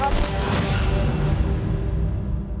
ขอสินค้ำสาบานขอให้เนียงเป็นใคร